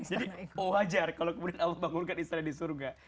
jadi wajar kalau kemudian allah bangunkan istana di surga